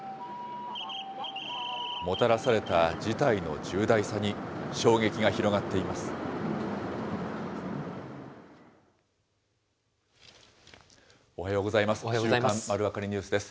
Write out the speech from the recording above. もたらされた事態の重大さに、衝撃が広がっています。